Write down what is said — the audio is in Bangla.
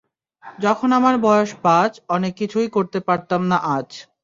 যখন আমার বয়স পাঁচ, অনেককিছুই করতে পারতাম না আঁচ।